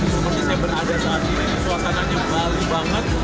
seperti saya berada saat ini suasananya bali banget